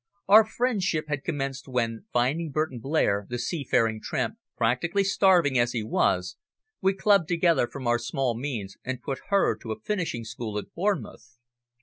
Our friendship had commenced when, finding Burton Blair, the seafaring tramp, practically starving as he was, we clubbed together from our small means and put her to a finishing school at Bournemouth.